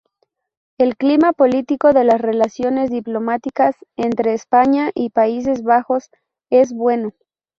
El clima político de las relaciones diplomáticas entre España y Países Bajos es bueno.